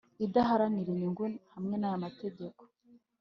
Idaharanira inyungu hamwe n aya mategeko